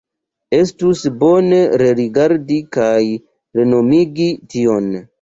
Estus bone rerigardi kaj renormigi tion.